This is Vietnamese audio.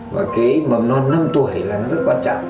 và cái mầm non năm tuổi là nó rất quan trọng